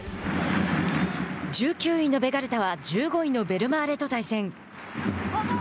１９位のベガルタは１５位のベルマーレと対戦。